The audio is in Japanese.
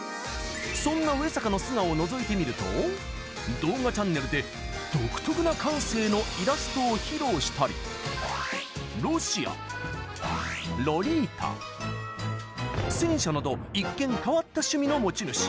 そんな上坂の素顔をのぞいてみると動画チャンネルで、独特な感性のイラストを披露したりロシア、ロリータ、戦車など一見変わった趣味の持ち主。